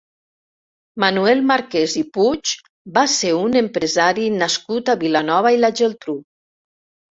Manuel Marqués i Puig va ser un empresari nascut a Vilanova i la Geltrú.